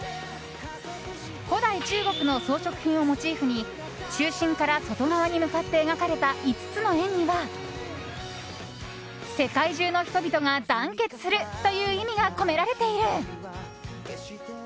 古代中国の装飾品をモチーフに中心から外側に向かって描かれた５つの円には世界中の人々が団結するという意味が込められている。